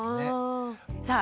さあ